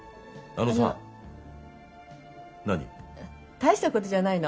大したことじゃないの。